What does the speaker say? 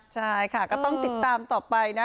ใช่ค่ะก็ต้องติดตามต่อไปนะ